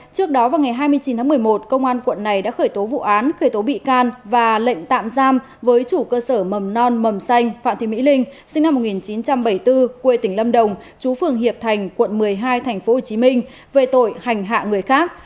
trước đó vào ngày hai mươi chín tháng một mươi một công an quận này đã khởi tố vụ án khởi tố bị can và lệnh tạm giam với chủ cơ sở mầm non mầm xanh phạm thị mỹ linh sinh năm một nghìn chín trăm bảy mươi bốn quê tỉnh lâm đồng chú phường hiệp thành quận một mươi hai tp hcm về tội hành hạ người khác